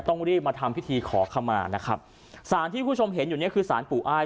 ต้องรีบมาทำพิธีขอขมานะครับสารที่คุณผู้ชมเห็นอยู่เนี่ยคือสารปู่อ้าย